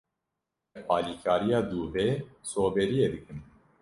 Bi alikariya dûvê soberiyê dikim.